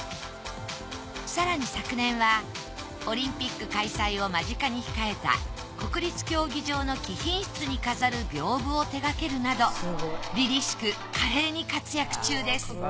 更に昨年はオリンピック開催を間近に控えた国立競技場の貴賓室に飾る屏風を手がけるなど凛々しく華麗に活躍中です